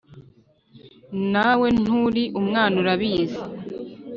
Nawe nturi umwana urabizi